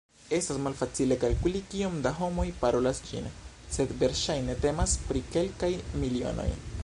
Estas malfacile kalkuli kiom da homoj "parolas" ĝin, sed verŝajne temas pri kelkaj milionoj.